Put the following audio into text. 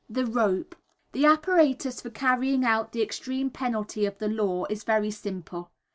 The Rope. The apparatus for carrying out the extreme penalty of the law is very simple.